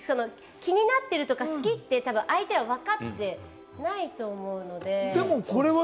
気になったりとか好きって、相手わかってないと思うので。